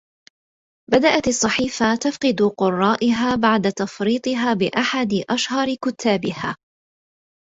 بدأت الصحيفة تفقد قراءها بعد تفريطها بأحد أشهر كتابها.